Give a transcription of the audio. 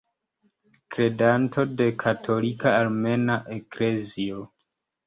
Kredanto de Katolika Armena Eklezio.